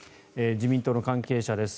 自民党の関係者です。